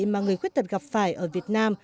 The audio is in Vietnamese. mà người khuyết tật gặp phải ở việt nam